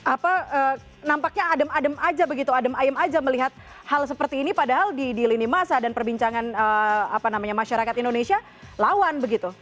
apa nampaknya adem adem aja begitu adem ayem aja melihat hal seperti ini padahal di lini masa dan perbincangan masyarakat indonesia lawan begitu